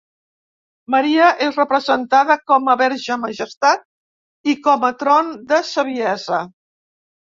Maria és representada com a Verge Majestat i com a Tron de Saviesa.